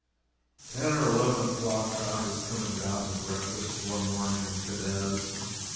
Ten or eleven o'clock found us coming down to breakfast one morning in Cadiz.